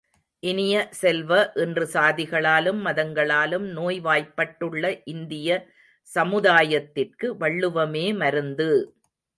இனிய செல்வ, இன்று சாதிகளாலும் மதங்களாலும் நோய்வாய்ப்பட்டுள்ள இந்திய சமுதாயத்திற்கு வள்ளுவமே மருந்து!